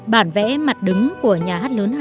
bản vẽ mặt đứng của nhà hát lớn hà